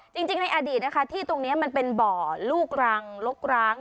จริงในอดีตนะคะที่ตรงนี้มันเป็นบ่อลูกรังลกร้าง